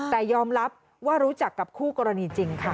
แต่ยอมรับว่ารู้จักกับคู่กรณีจริงค่ะ